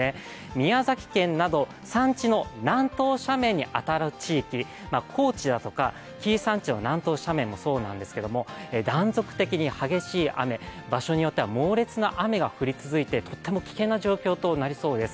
宮崎県など山地の南東斜面に当たる地域、高地だとか、紀伊山地の南東斜面もそうなんですけど断続的に激しい雨、場所によっては猛烈な雨が降ってとても危険な状況になりそうです。